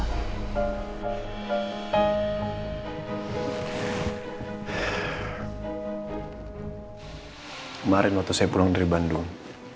kemarin waktu saya pulang dari bandung